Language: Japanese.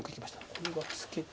これはツケて。